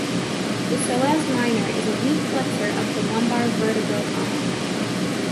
The psoas minor is a weak flexor of the lumbar vertebral column.